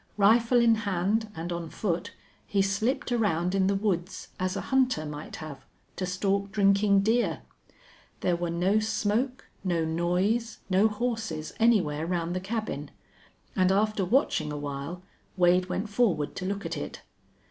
Rifle in hand, and on foot, he slipped around in the woods, as a hunter might have, to stalk drinking deer. There were no smoke, no noise, no horses anywhere round the cabin, and after watching awhile Wade went forward to look at it.